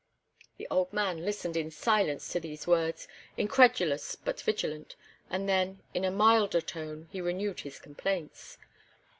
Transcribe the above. The old man listened in silence to these words, incredulous but vigilant, and then, in a milder tone, he renewed his complaints.